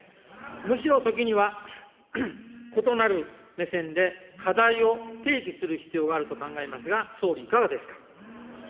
むしろ時には、異なる目線で課題を提起する必要があると考えますが、総理、いかがですか。